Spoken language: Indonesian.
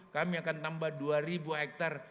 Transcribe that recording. kami akan tambah dua ribu hektare